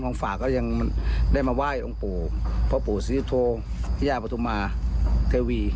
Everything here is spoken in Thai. ของฝากก็ยังได้มาไหว้อังปู่พระปู่สิริโฑยาพุทุมาเทวี